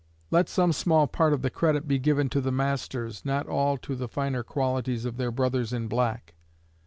Let some small part of the credit be given to the masters, not all to the finer qualities of their "brothers in black."